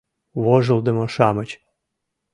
Вожылдымо-шамыч!..